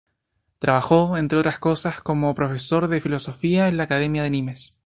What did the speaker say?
Trabajó, entre otras cosas, como profesor de filosofía en la Academia de Nîmes.